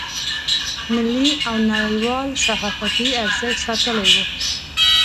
ملي او نړیوال صحافتي ارزښت ساتلی و.